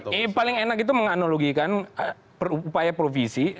kenapa ya paling enak itu menganalogikan upaya provisi